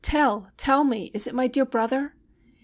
Tell, tell me, is it my dear brother